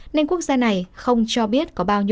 nên quốc gia này không cho biết có bao nhiêu